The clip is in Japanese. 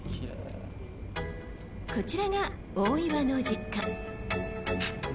こちらが大岩の実家。